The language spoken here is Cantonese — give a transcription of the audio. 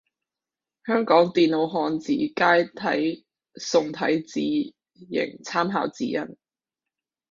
香港電腦漢字楷體宋體字形參考指引